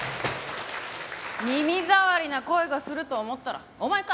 耳障りな声がすると思ったらお前か。